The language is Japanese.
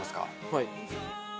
はい。